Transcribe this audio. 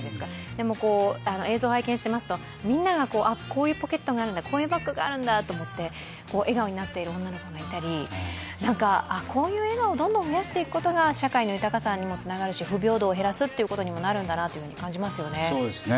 でも、映像を拝見していますとみんなが、こういうポケットがあるんだこういうバッグがあるんだと思って笑顔になっている女の子がいたりこういう笑顔をどんどん増やしていくことが社会の豊かさにもつながるし不平等を減らすということにもなるんだなと感じますよね。